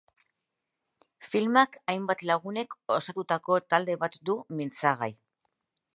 Filmak hainbat lagunek osatutako talde bat du mintzagai.